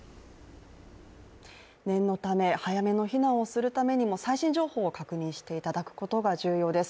念のため、早めの避難をするためにも最新情報を確認していただくことが重要です。